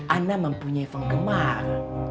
ana mempunyai fungkar